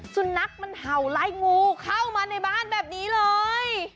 สุนัขมันเห่าไล่งูเข้ามาในบ้านแบบนี้เลย